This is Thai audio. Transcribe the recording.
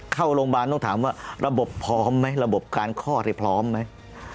เข้าโรงพยาบาลต้องถามว่าระบบพร้อมไหมระบบการคลอดนี่พร้อมไหม